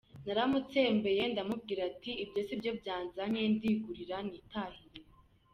Naramutsembeye ndamubwira nti : “ibyo sibyo byanzanye, nkingurira nitahire”.